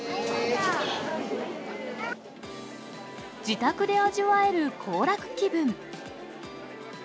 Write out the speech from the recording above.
自宅で味わえる行楽気分。